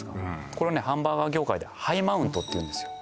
これねハンバーガー業界でハイマウントっていうんですよ